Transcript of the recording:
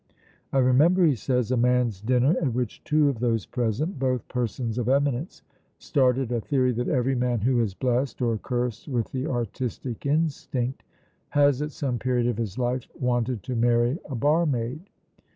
"I remember," he says, "a man's dinner at which two of those present, both persons of eminence, started a theory that every man who is blessed or cursed with the artistic instinct has at some period of his life wanted to marry a barmaid.